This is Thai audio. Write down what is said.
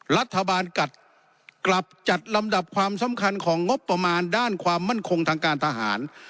รัฐบาลกัดกลับจัดลำดับความสำคัญของงบประมาณด้านความมั่นคงทางการทหาร